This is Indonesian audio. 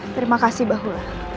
terima kasih bahula